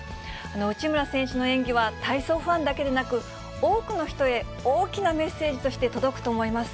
内村選手の演技は、体操ファンだけでなく、多くの人へ、大きなメッセージとして届くと思います。